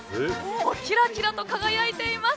キラキラと輝いています。